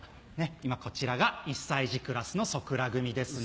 今こちらが１歳児クラスのそくら組ですね。